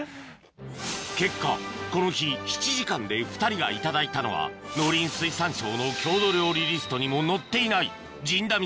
結果この日７時間で２人が頂いたのは農林水産省の郷土料理リストにも載っていないじんだ